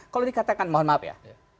kalau dikatakan mohon maaf ya